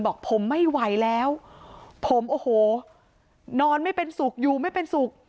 บอกผมไม่ไหวแล้วผมโอ้โหนอนไม่เป็นสุขอยู่ไม่เป็นสุข